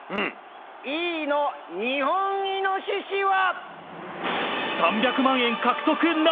Ｅのニホンイノシシは！